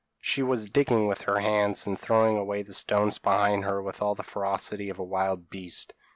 She was digging with her hands, and throwing away the stones behind her with all the ferocity of a wild beast.